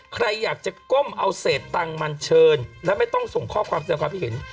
ใครอยากจะก้มเอาเศษตังค์มันเชิญและไม่ต้องส่งข้อความแสดงความคิดเห็น